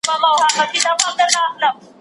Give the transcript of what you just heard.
يوناني فلسفه د سياست بنسټونه روښانه کوي.